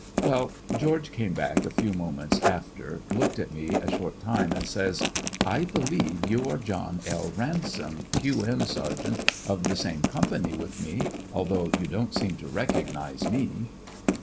Well, George came back a few moments after, looked at me a short time and says: I believe you are John L. Ransom, Q. M Sergt. of the same Co. with me, although you don't seem to recognize me."